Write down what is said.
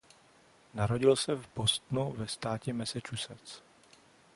Narodil se v Bostonu ve státě Massachusetts.